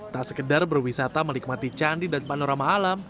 tak sekedar berwisata menikmati candi dan panorama alam